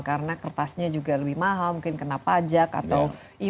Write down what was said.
karena kertasnya juga lebih mahal mungkin kena pajak atau